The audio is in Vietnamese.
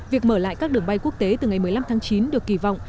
việc mở lại các đường bay quốc tế từ ngày một mươi năm tháng chín được kỳ vọng